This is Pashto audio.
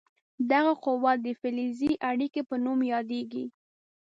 دغه قوه د فلزي اړیکې په نوم یادیږي.